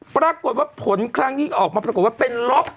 ปรากฏว่าผลครั้งนี้ออกมาปรากฏว่าเป็นลบ